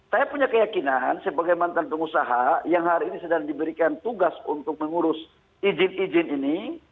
saya punya keyakinan sebagai mantan pengusaha yang hari ini sedang diberikan tugas untuk mengurus izin izin ini